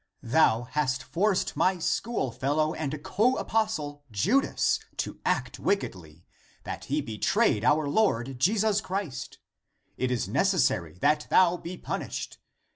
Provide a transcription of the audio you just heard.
Thou hast forced my school fellow and co apostle Judas to act wickedly, that he be trayed our Lord Jesus Christ; it is necessary that thou be punished.